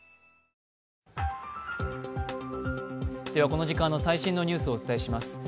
この時間の最新のニュースをお伝えします。